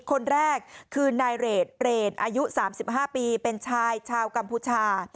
คนแรกคือนายเรทเรนอายุ๓๕ปีเป็นชายชาวกัมพูชา